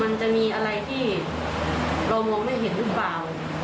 มันจะมีอะไรที่เรามองได้เห็นหรือเปล่า